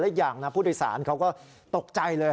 อีกอย่างนะผู้โดยสารเขาก็ตกใจเลย